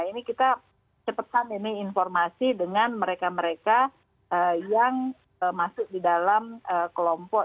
ini kita cepatkan ini informasi dengan mereka mereka yang masuk di dalam kelompok